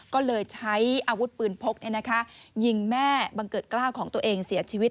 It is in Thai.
ก็เลยใช้อาวุธปืนพกยิงแม่บังเกิดกล้าวของตัวเองเสียชีวิต